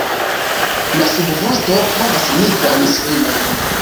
La subvosto havas nigrajn striojn.